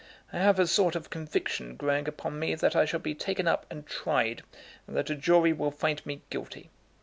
I have a sort of conviction growing upon me that I shall be taken up and tried, and that a jury will find me guilty.